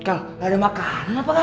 kal gak ada makanan apa kal